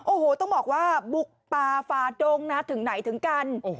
โอ้โหต้องบอกว่าบุกป่าฝาดงนะถึงไหนถึงกัน